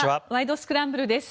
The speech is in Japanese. スクランブル」です。